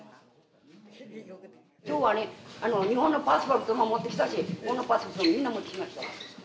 きょうはね日本のパスポートも持ってきたしこのパスポートみんな持ってきましたよ